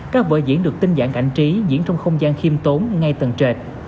các vỡ diễn được tinh dạng ảnh trí diễn trong không gian khiêm tốn ngay tầng trệt